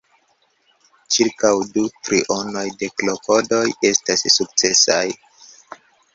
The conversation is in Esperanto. Ĉirkaŭ du trionoj de klopodoj estas sukcesaj.